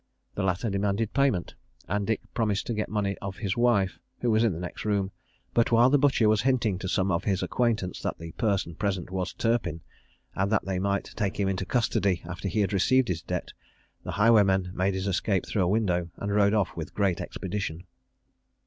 The latter demanded payment, and Dick promised to get the money of his wife, who was in the next room; but while the butcher was hinting to some of his acquaintance that the person present was Turpin, and that they might take him into custody after he had received his debt, the highwayman made his escape through a window, and rode off with great expedition.